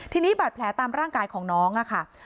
ทีนี้บาดแผลตามร่างกายของน้องค่ะ